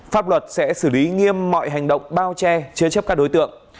pháp luật sẽ xử lý nghiêm mọi hành động bao che chế chấp các đối tượng